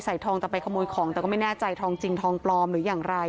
ทองแต่ไปขโมยของแต่ก็ไม่แน่ใจทองจริงทองปลอมหรืออย่างไร